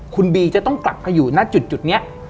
คุณบีจะต้องกลับไปอยู่ณจุดนี้